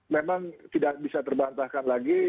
memang tidak bisa terbantahkan lagi